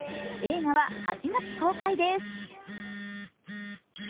映画は８月公開です。